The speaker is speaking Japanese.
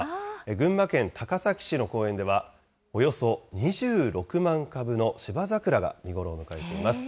群馬県高崎市の公園では、およそ２６万株のシバザクラが見頃を迎えています。